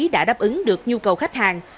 đã đáp ứng được nhu cầu khách hàng